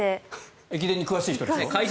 駅伝に詳しい人でしょ？